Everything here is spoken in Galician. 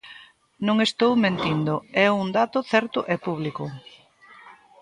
Non estou mentindo, é un dato certo e público.